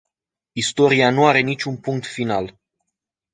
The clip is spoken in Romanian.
Istoria nu are niciun punct final.